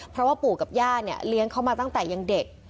เพราะว่าปู่กับย่าเนี่ยเลี้ยงเขามาตั้งแต่ยังเด็ก